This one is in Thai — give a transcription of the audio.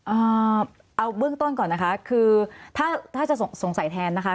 เอาเบื้องต้นก่อนนะคะคือถ้าถ้าจะสงสัยแทนนะคะ